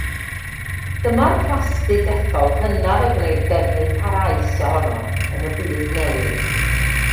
Dyma'r plasty dethol hynaf y gwneir defnydd parhaus ohono yn y Byd Newydd.